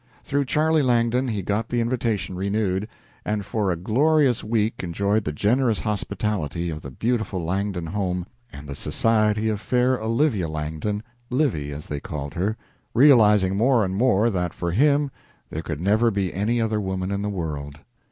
Through Charlie Langdon he got the invitation renewed, and for a glorious week enjoyed the generous hospitality of the beautiful Langdon home and the society of fair Olivia Langdon Livy, as they called her realizing more and more that for him there could never be any other woman in the world.